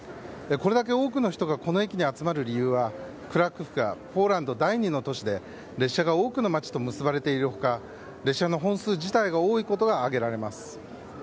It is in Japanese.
これだけ多くの人がこの駅に集まる理由はクラクフがポーランド第２の都市で列車が多くの街と結ばれている他列車の本数自体が多いことが挙げられます。